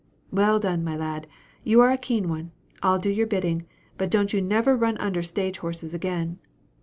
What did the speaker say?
"Well done, my lad! you are a keen one. I'll do your bidding but don't you never run under stage horses again."